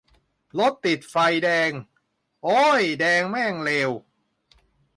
รถติดไฟแดง โอ๊ย แดงแม่งเลว